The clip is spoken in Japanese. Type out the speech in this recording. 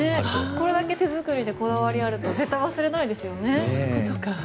これだけ手作りでこだわりがあると絶対忘れないですよね。